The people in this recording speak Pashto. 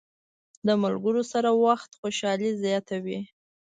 د ملګرو سره وخت خوشحالي زیاته وي.